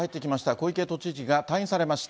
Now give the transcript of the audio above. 小池都知事が退院されました。